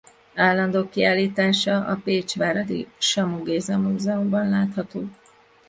Állandó kiállítása a pécsváradi Samu Géza Múzeumban látható.